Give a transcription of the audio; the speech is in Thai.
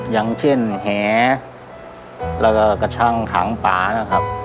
อย่างเช่นแหแล้วก็กระชั่งขังป่านะครับ